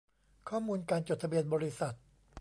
ข้อมูลการจดทะเบียนบริษัท